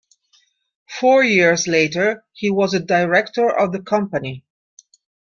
Four years later, he was a director of the company.